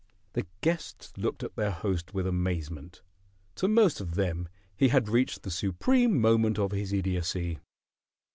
The guests looked at their host with amazement. To most of them he had reached the supreme moment of his idiocy.